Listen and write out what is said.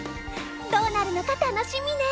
どうなるのか楽しみね。